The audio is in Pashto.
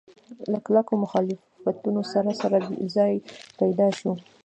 له کلکو مخالفتونو سره سره ځای پیدا شو.